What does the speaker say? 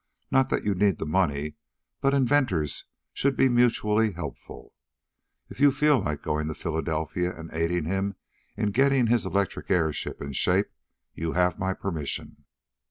Not that you need the money, but inventors should be mutually helpful. If you feel like going to Philadelphia, and aiding him in getting his electric airship in shape, you have my permission."